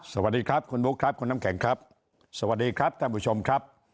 สวัสดีครับคุณบุ๊คครับคุณน้ำแข็งครับสวัสดีครับท่านผู้ชมครับ